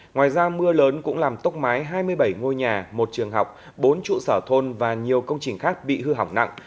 ngoài ra mưa lớn cũng làm tốc mái hai mươi bảy ngôi nhà một trường học bốn trụ sở thôn và nhiều công trình khác bị hư hỏng nặng